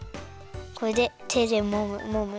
これでてでもむもむ？